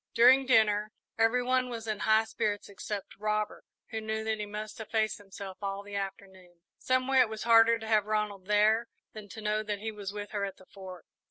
During dinner every one was in high spirits except Robert, who knew that he must efface himself all the afternoon. Some way, it was harder to have Ronald there than to know that he was with her at the Fort.